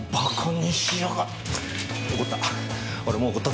怒った。